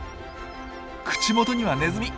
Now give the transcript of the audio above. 口元にはネズミ！